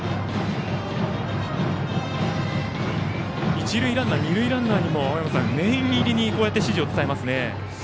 一塁ランナー、二塁ランナーにも念入りに指示を伝えていますね。